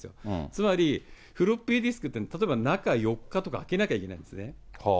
つまりフロッピーディスクっていうのは、例えば中４日とか空けなきゃいけないんですね。